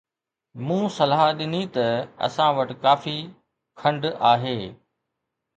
مون صلاح ڏني ته اسان وٽ ڪافي کنڊ آهي